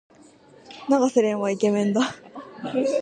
永瀬廉はイケメンだ。